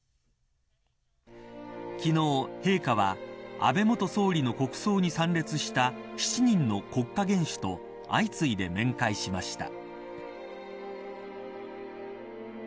昨日、陛下は安倍元総理の国葬に参列した７人の国家元首と相次いで面会しました。